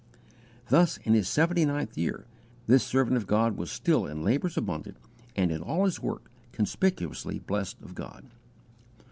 Thus, in his seventy ninth year, this servant of God was still in labours abundant, and in all his work conspicuously blessed of God.